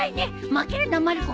負けるなまる子！